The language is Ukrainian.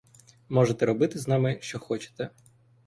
Можете робити з нами, що хочете.